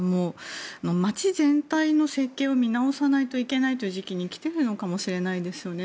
街全体の設計を見直さないといけないという時期に来ているのかもしれないですね。